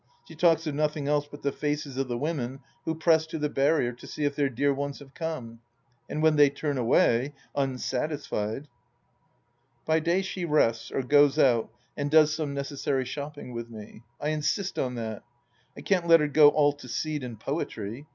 She talks of nothing else but the faces of the women who press to the barrier to see if their dear ones have come. And when they turn away — unsatisfied !... By day she rests, or goes out and does some necessary shopping with me. I insist on that. I can't let her go all to seed and poetry.